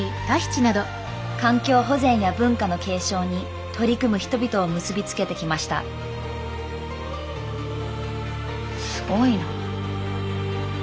環境保全や文化の継承に取り組む人々を結びつけてきましたすごいな。